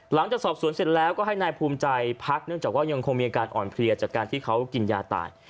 หลังจากสอบสวนเสร็จแล้วก็ให้นายภูมิใจพักเนื่องจากว่ายังคงมีอาการอ่อนเพลียจากการที่เขากินยาตาย